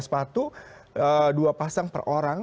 sepatu dua pasang per orang